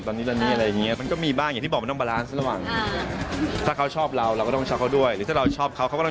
พี่ป้องมีความหวังแม้ว่าจะได้ไหน